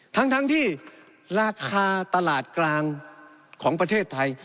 ทั้งที่ราคาตลาดกลางของประเทศไทย